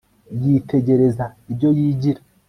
yitegereza ibyo yigira